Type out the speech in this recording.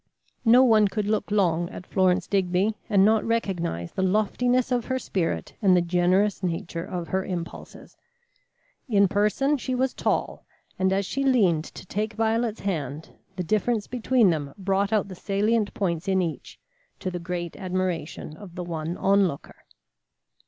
No one could look long at Florence Digby and not recognize the loftiness of her spirit and the generous nature of her impulses. In person she was tall, and as she leaned to take Violet's hand, the difference between them brought out the salient points in each, to the great admiration of the one onlooker.